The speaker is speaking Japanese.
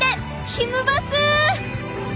ひむバス！